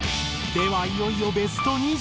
ではいよいよベスト２０。